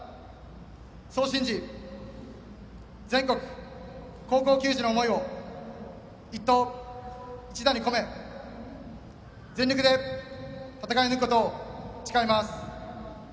そう信じ全国高校球児の思いを一投一打に込め全力で戦い抜くことを誓います。